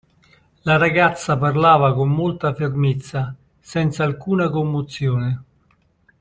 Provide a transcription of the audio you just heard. La ragazza parlava con molta fermezza, senza alcuna commozione.